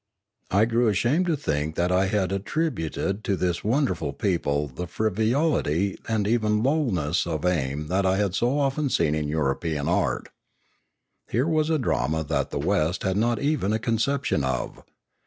I grew ashamed to think that I had attributed to this wonder ful people the frivolity and even lowness of aim that I had so often seen in European art. Here was a drama that the West had not even a conception of.